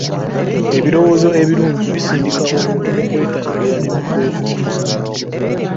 Ebirowoozo ebirungi bisindika omuntu mu kwetangira ne mu kwefuga.